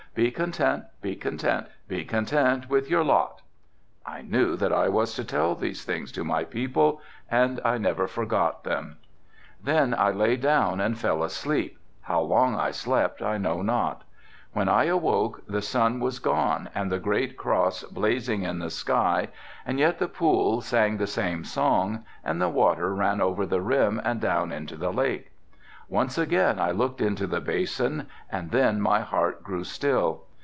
"Be content, be content, be content with your lot." "I knew that I was to tell these things to my people and I never forgot them." "Then I lay down and fell asleep, how long I slept I know not. When I awoke the sun was gone and the great cross blazing in the sky and yet the pool sang the same song and the water ran over the rim and down into the lake. Once again I looked into the basin and then my heart grew still.